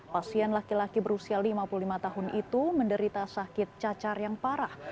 pasien laki laki berusia lima puluh lima tahun itu menderita sakit cacar yang parah